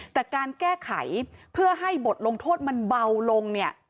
แต่การแก้ไขเพื่อให้บทลงโทษมันเบาลงเนี่ย